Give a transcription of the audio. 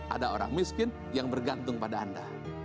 ada orang miskin yang bergantung pada anda